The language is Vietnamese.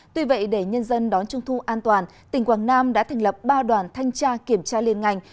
tuy vậy để nhân dân đón trung thu an toàn tỉnh quảng nam đã thành lập ba đoàn thanh tra kiểm tra liên ngành